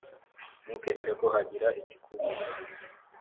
ntukemere ko hagira ikikubuza